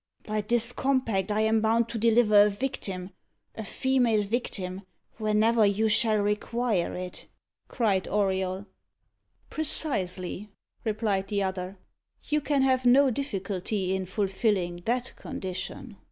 "By this compact I am bound to deliver a victim a female victim whenever you shall require it," cried Auriol. "Precisely," replied the other; "you can have no difficulty in fulfilling that condition."